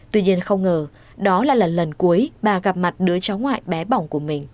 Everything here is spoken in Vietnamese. tuy nhiên không ngờ đó là lần lần cuối bà gặp mặt đứa cháu ngoại bé bỏng